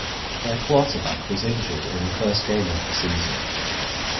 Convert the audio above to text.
Their quarterback was injured in the first game of the season.